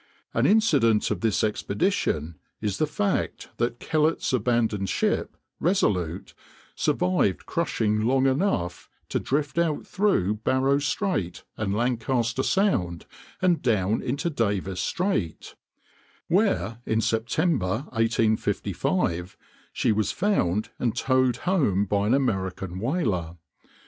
An incident of this expedition is the fact that Kellett's abandoned ship Resolute survived crushing long enough to drift out through Barrow Strait and Lancaster Sound and down into Davis Strait, where in September, 1855, she was found and towed home by an American whaler.